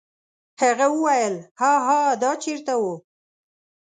هغه وویل: هاها دا چیرته و؟